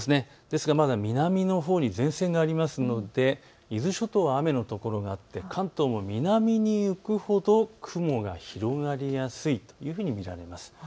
ですがまだ南のほうに前線がありますので伊豆諸島は雨の所が多くて関東も南に行くほど雲が広がりやすいというふうに見られます。